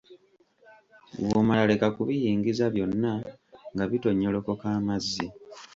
Bw‘omala leka kubiyingiza byonna nga bitonyolokoka amazzi.